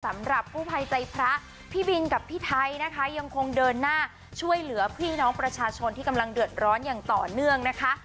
สำหรับกู้ภัยใจพระพี่บินกับพี่ไทยนะคะยังคงเดินหน้าช่วยเหลือพี่น้องประชาชนที่กำลังเดือดร้อนอย่างต่อเนื่องนะคะ